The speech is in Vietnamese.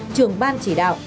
trường ban chỉ đạo